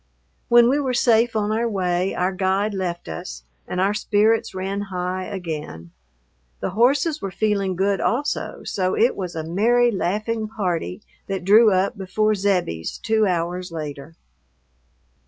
When we were safe on our way our guide left us, and our spirits ran high again. The horses were feeling good also, so it was a merry, laughing party that drew up before Zebbie's two hours later.